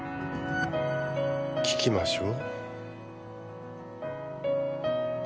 聞きましょう